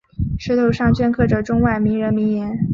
石头上镌刻着中外名人名言。